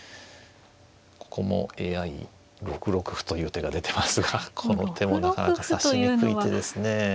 ここもＡＩ６六歩という手が出てますがこの手もなかなか指しにくい手ですね。